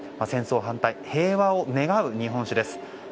戦争反対、平和を願う日本酒です。